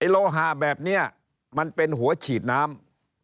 โลหะแบบนี้มันเป็นหัวฉีดน้ำ